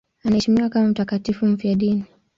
Anaheshimiwa kama mtakatifu mfiadini.